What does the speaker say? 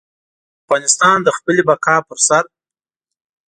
افغانستان د خپلې بقا پر سر.